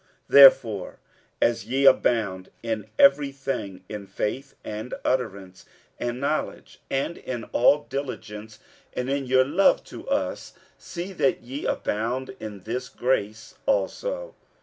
47:008:007 Therefore, as ye abound in every thing, in faith, and utterance, and knowledge, and in all diligence, and in your love to us, see that ye abound in this grace also.